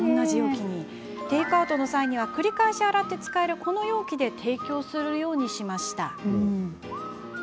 テイクアウトの際には繰り返し洗って使えるこの容器で提供するようにしました。